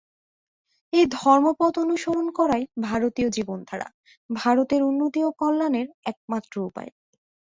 এই ধর্মপথ অনুসরণ করাই ভারতীয় জীবনধারা, ভারতের উন্নতি ও কল্যাণের একমাত্র উপায়।